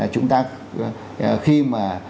chúng ta khi mà